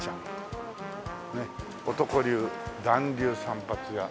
男流男流散髪屋。